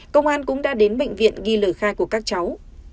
công an cũng đã đến bệnh viện ghi lời khai của các cháu